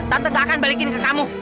aku akan melakukan apapun